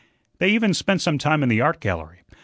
They even spent some time in the art gallery.